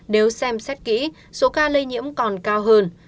nếu xem xét kỹ số ca lây nhiễm còn cao hơn